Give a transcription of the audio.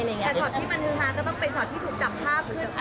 แต่สอดที่มานึงก็ต้องเป็นสอดที่ถูกจับภาพ